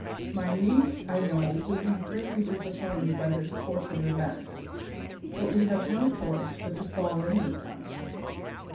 My niece, I know, will be greatly disappointed by this course of events, but we have no choice but to fall in with them."